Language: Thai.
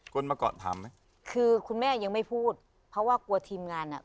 คนมาก่อนถามไหมคือคุณแม่ยังไม่พูดเพราะว่ากลัวทีมงานอ่ะ